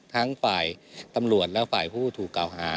ทั้งฝ่ายตำรวจและฝ่ายผู้ถูกกล่าวหา